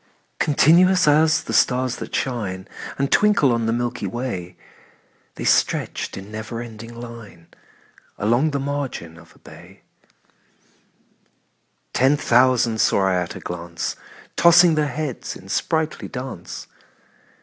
Continuous as the stars that shine And twinkle on the milky way, The stretched in never ending line Along the margin of a bay: Ten thousand saw I at a glance, Tossing their heads in sprightly dance.